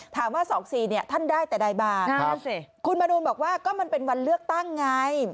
๒๔เนี่ยท่านได้แต่ใดมาคุณมนูลบอกว่าก็มันเป็นวันเลือกตั้งไง